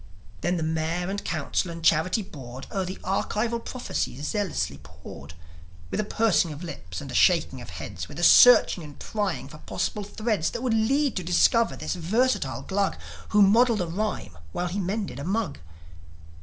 Then the Mayor and Council and Charity Board O'er the archival prophecy zealously pored, With a pursing of lips and a shaking of heads, With a searching and prying for possible threads That would lead to discover this versatile Glug Who modelled a rhyme while he mended a mug.